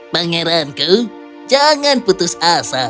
pangeranku jangan putus asa